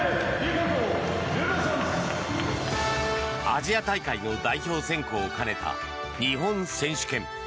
アジア大会の代表選考を兼ねた日本選手権。